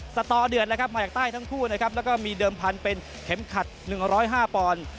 สตอเดือดนะครับมาจากใต้ทั้งคู่นะครับแล้วก็มีเดิมพันเป็นเข็มขัดหนึ่งร้อยห้าปอนด์